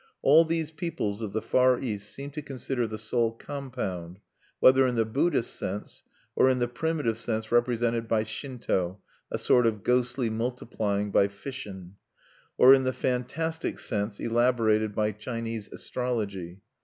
All these peoples of the Far East seem to consider the soul compound; whether in the Buddhist sense, or in the primitive sense represented by Shinto (a sort of ghostly multiplying by fission), or in the fantastic sense elaborated by Chinese astrology.